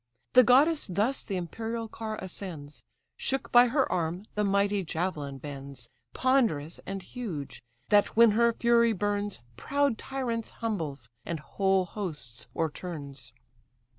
The goddess thus the imperial car ascends; Shook by her arm the mighty javelin bends, Ponderous and huge; that when her fury burns, Proud tyrants humbles, and whole hosts o'erturns.